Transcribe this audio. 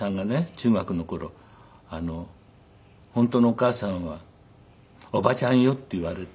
中学の頃「本当のお母さんはおばちゃんよ」って言われて。